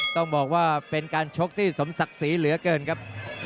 ต้องบอกว่าเป็นการชกที่สมศักดิ์ศรีเหลือเกินครับ